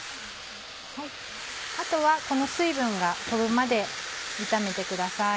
あとはこの水分が飛ぶまで炒めてください。